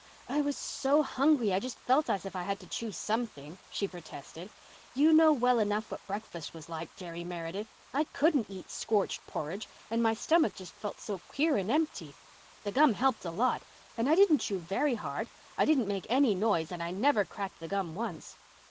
"I was so hungry I just felt as if I had to chew something," she protested. "You know well enough what breakfast was like, Jerry Meredith. I couldn't eat scorched porridge and my stomach just felt so queer and empty. The gum helped a lot—and I didn't chew very hard. I didn't make any noise and I never cracked the gum once."